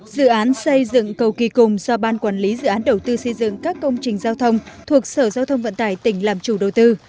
dự án xây dựng cầu kỳ cùng do ban quản lý dự án đầu tư xây dựng các công trình giao thông thuộc sở giao thông vận tải tỉnh làm chủ đầu tư